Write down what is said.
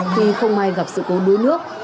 khi không may gặp sự cố đuối nước